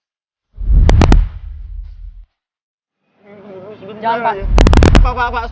pak pak stop pak jangan jalan dulu pak